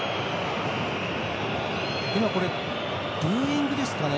今、これブーイングですかね。